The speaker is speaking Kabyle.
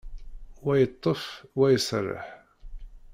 Wa yeṭṭef, wa iserreḥ.